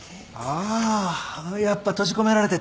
あやっぱ閉じ込められてた？